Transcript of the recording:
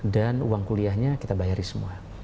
dan uang kuliahnya kita bayari semua